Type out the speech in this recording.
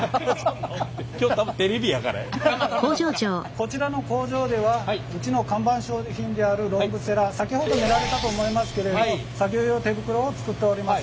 こちらの工場ではうちの看板商品であるロングセラー先ほど見られたと思いますけれど作業用手袋を作っております。